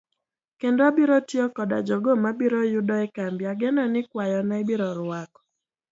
Kendo abiro tiyo koda jogo mabiro yudo e kambi ageno ni kwayona ibiro rwako.